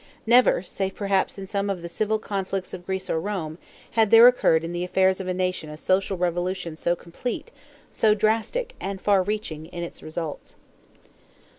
Never, save perhaps in some of the civil conflicts of Greece or Rome, had there occurred in the affairs of a nation a social revolution so complete, so drastic, and far reaching in its results.